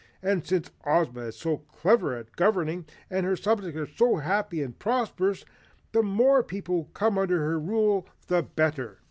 And since Ozma is so clever at governing, and her subjects all so happy and prosperous, the more people who come under her rule the better!"